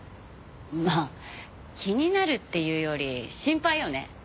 まあ気になるっていうより心配よね。